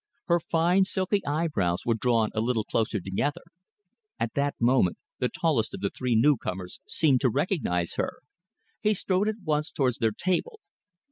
Her fine, silky eyebrows were drawn a little closer together. At that moment the tallest of the three newcomers seemed to recognise her. He strode at once towards their table.